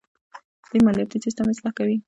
دوی مالیاتي سیستم اصلاح کوي.